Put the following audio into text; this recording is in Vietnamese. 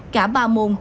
cả ba môn